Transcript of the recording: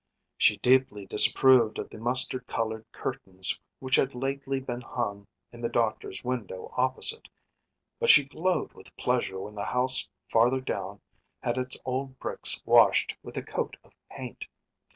She deeply disapproved of the mustard colored curtains which had lately been hung in the doctor’s window opposite; but she glowed with pleasure when the house farther down had its old bricks washed with a coat of paint.